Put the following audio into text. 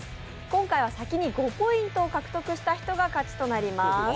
今回は先に５ポイントを獲得した人が勝ちとなります。